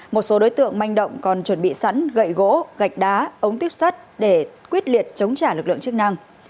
một số đối tượng manh động còn chuẩn bị sẵn gậy gỗ gạch đá ống tuyếp sắt để quyết liệt chống trả lực lượng chức năng